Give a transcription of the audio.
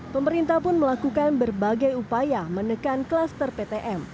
pemerintah pun melakukan berbagai upaya menekan kelas ter ptm